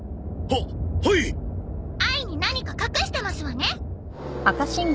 あいに何か隠してますわね？